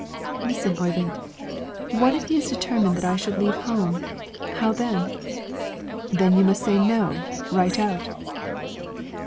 "Listen, Oyvind; what if he is determined I shall leave home, how then?" "Then you must say No, right out."